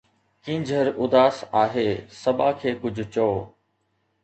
ڪينجهر اداس آهي، صبا کي ڪجهه چئو